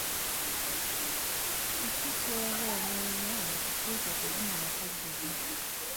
Kiki ky'oba onoonya okutuuka okuvuma bakaddebo?